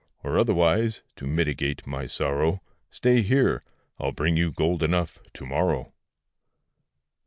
Or otherwise (to mitigate my sorrow), Stay here, I'll bring you gold enough to morrow.